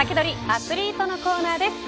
アツリートのコーナーです。